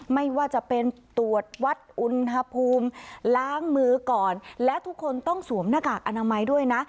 ไม่ว่าจะเป็นตรวจวัดอุณหภูมิล้างมือก่อนและทุกคนต้องสวมหน้ากากอนามัยด้วยนะ